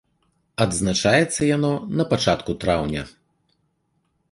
Адзначаецца яно на пачатку траўня.